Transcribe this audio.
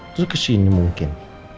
terus kesini mungkin